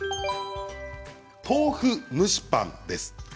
豆腐蒸しパンです。